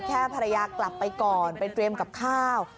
ภรรยากลับไปก่อนไปเตรียมกับข้าว